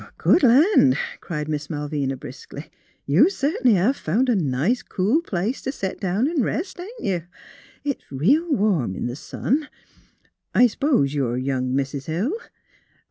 "Good land!" cried Miss Malvina, briskly. " You cert'nly hev found a nice cool place t' set down an' rest, ain't you? It's real warm in the sun. ... I s'pose you're young Mis' Hill.